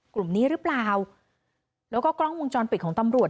กลุ่มนี้หรือเปล่าแล้วก็กล้องวงจรปิดของตำรวจ